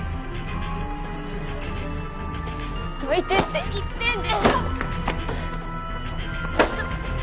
どいてって言ってんでしょ！